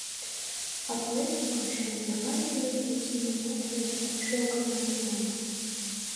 — А палет, Маша, давай тудын деч нимомат йодышташ огына тӱҥал.